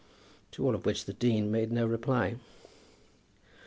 To all of which the dean made no reply.